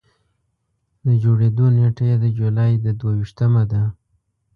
د جوړېدو نېټه یې د جولایي د دوه ویشتمه ده.